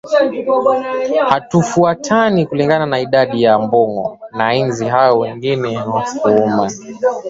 hutofautiana kulingana na idadi ya mbung'o na nzi hao wengine wa kuuma